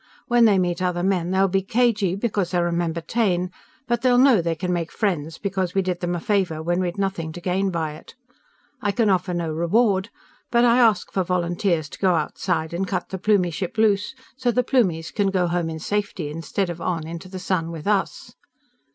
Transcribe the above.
When they meet other men, they'll be cagey because they'll remember Taine. But they'll know they can make friends, because we did them a favor when we'd nothing to gain by it. I can offer no reward. But I ask for volunteers to go outside and cut the Plumie ship loose, so the Plumies can go home in safety instead of on into the sun with us!